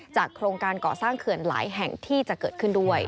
โครงการก่อสร้างเขื่อนหลายแห่งที่จะเกิดขึ้นด้วย